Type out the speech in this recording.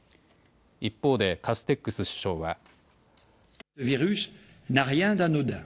一方でカステックス首相は。